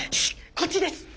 こっちです。